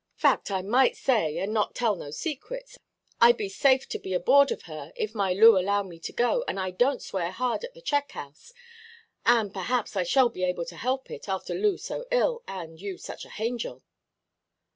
Fact, I may say, and not tell no secrets; I be safe to be aboord of her, if my Loo allow me to go, and I donʼt swear hard at the check–house. And, perhaps, I shall be able to help it, after Loo so ill, and you such a hangel."